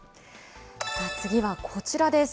さあ、次はこちらです。